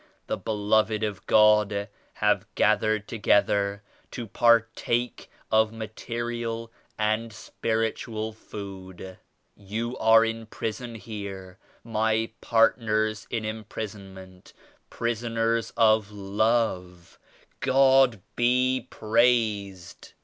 "The Beloved of God have gathered together to partake of material and spiritual food." "You are in prison here; — my partners in imprisonment, — prisoners of love, — God be praised!"